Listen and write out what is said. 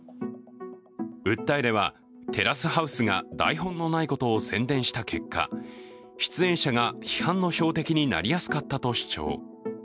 訴えでは、「テラスハウス」が台本のないことを宣伝した結果、出演者が批判の標的になりやすかったと主張。